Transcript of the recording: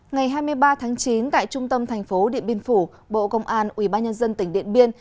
ngày hai mươi ba tháng chín tại trung tâm thành phố điện biên phủ bộ công an ubnd tỉnh điện biên